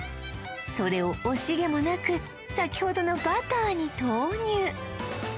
それを惜しげもなくさきほどのバターに投入